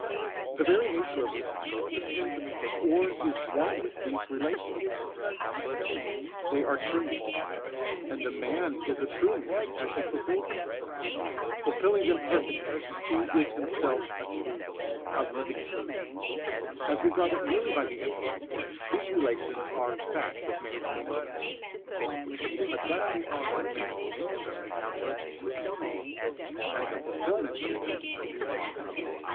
The very nature of a man depends upon or is one with these relations. They are truths, and the man is a true man as he fulfils them. Fulfilling them perfectly, he is himself a truth, a living truth. As regarded merely by the intellect, these relations are facts of man's nature; but that they are of man's nature makes them truths, and the fulfilments of them are duties.